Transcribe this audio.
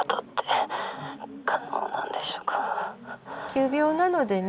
急病なのでね